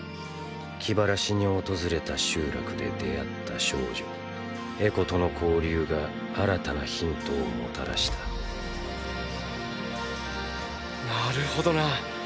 気晴らしに訪れた集落で出会った少女エコとの交流が新たなヒントをもたらしたなるほどな。